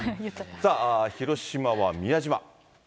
さあ、広島は宮島。